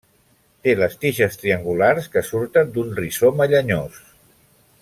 Té les tiges triangulars que surten d'un rizoma llenyós.